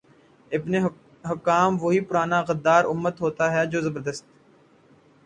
ابن حکام وہی پرانا غدار امت ہوتا ہے جو زبردستی